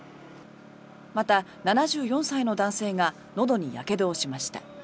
また、７４歳の男性がのどにやけどをしました。